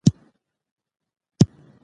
آیا شاهانو د هغې غم کړی و؟